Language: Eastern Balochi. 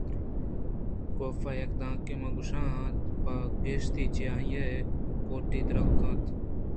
کاف ءَیک دانکے نہ کش اِت ءُپہ گشادی چہ آئی ءِکوٹی ءَ درکیت